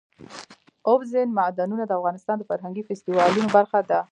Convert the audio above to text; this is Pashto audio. اوبزین معدنونه د افغانستان د فرهنګي فستیوالونو برخه ده.